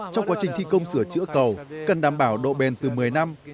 trong quá trình thi công sửa chữa cầu cần đảm bảo độ bền từ một mươi năm